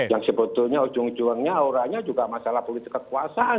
yang sebetulnya ujung ujungnya auranya juga masalah politik kekuasaan